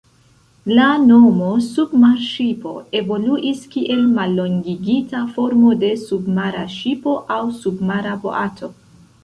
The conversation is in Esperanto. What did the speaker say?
La nomo "submarŝipo" evoluis kiel mallongigita formo de "submara ŝipo" aŭ "submara boato".